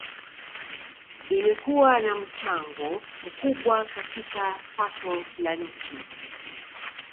Imekuwa na mchango mkubwa katika pato la nchi